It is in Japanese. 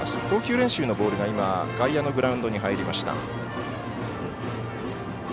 投球練習のボールが外野のグラウンドに入りました。